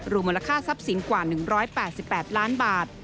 มูลค่าทรัพย์สินกว่า๑๘๘ล้านบาท